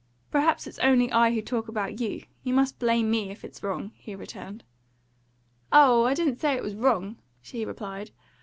Perhaps it's only I who talk about you. You must blame me if it's wrong," he returned. "Oh, I didn't say it was wrong," she replied.